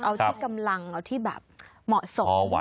เอาที่กำลังเอาที่แบบเหมาะสม